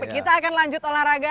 kita akan lanjut olahraga